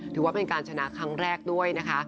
ถือว่าเป็นการชนะครั้งแรกด้วยนะคะ